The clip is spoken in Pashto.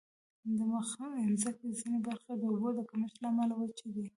د مځکې ځینې برخې د اوبو د کمښت له امله وچې دي.